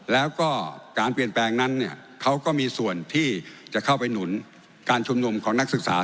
แล้วก็การเปลี่ยนแปลงนั้นเนี่ยเขาก็มีส่วนที่จะเข้าไปหนุนการชุมนุมของนักศึกษา